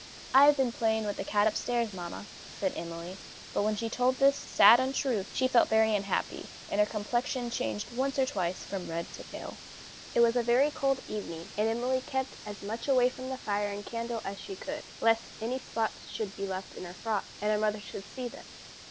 "I have been playing with the cat upstairs, mamma," said Emily. But when she told this sad untruth she felt very unhappy, and her complexion changed once or twice from red to pale. It was a cold evening, and Emily kept as much away from the fire and candle as she could, lest any spots should be left in her frock, and her mother should see them.